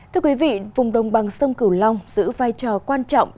thưa quý vị vùng đồng bằng sông cửu long giữ vai trò quan trọng